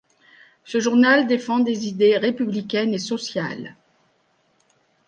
Ce journal défend des idées républicaines et sociales.